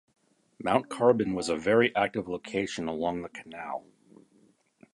Mount Carbon was a very active location along the Canal.